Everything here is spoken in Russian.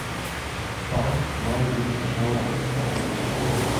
Карл клал лук на ларь.